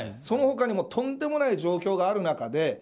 その他にもとんでもない状況がある中で。